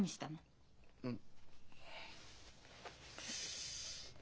うん。